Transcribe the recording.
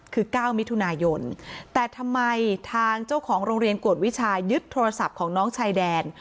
คือ๙มิถุนายนแต่ทำไมทางเจ้าของโรงเรียนกวดวิชายึดโทรศัพท์ของน้องชายแดน